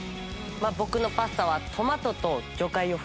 僕のパスタは。